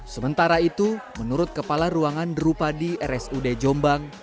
sementara itu menurut kepala ruangan derupadi rsud jombang